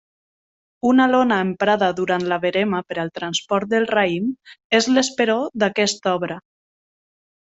Una lona emprada durant la verema per al transport del raïm és l'esperó d'aquesta obra.